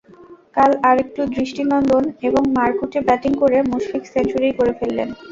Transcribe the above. কাল আরেকটু দৃষ্টিনন্দন এবং মারকুটে ব্যাটিং করে মুশফিক সেঞ্চুরিই করে ফেললেন।